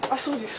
そう。